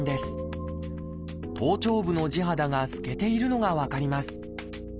頭頂部の地肌が透けているのが分かります。